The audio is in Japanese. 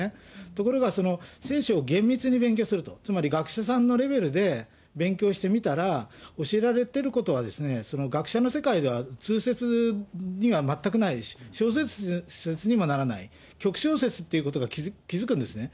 ところが、聖書を厳密に勉強すると、つまり学者さんのレベルで勉強してみたら、教えられてることは、学者の世界では通説には全くない、にもならない、極しょう説ということに気付くんですね。